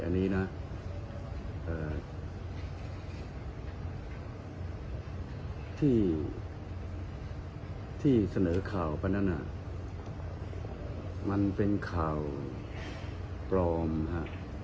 อันนี้นะที่เสนอข่าวไปนั้นมันเป็นข่าวปลอมฮะ